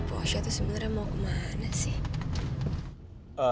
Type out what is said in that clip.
si bosya itu sebenarnya mau kemana sih